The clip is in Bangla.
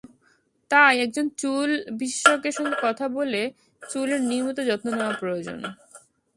তাই একজন চুল বিশেষজ্ঞের সঙ্গে কথা বলে চুলের নিয়মিত যত্ন নেওয়া প্রয়োজন।